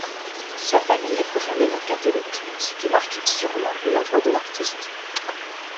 Sa famille est profondément catholique, ce qui marque sûrement l'œuvre de l'artiste.